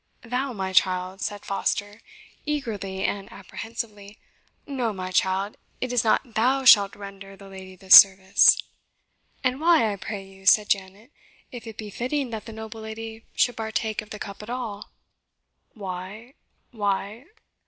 "Thou, my child?" said Foster, eagerly and apprehensively; "no, my child it is not THOU shalt render the lady this service." "And why, I pray you," said Janet, "if it be fitting that the noble lady should partake of the cup at all?" "Why why?"